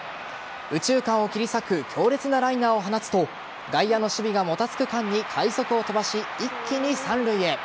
右中間を切り裂く強烈なライナーを放つと外野の守備がもたつく間に快足を飛ばし一気に三塁へ。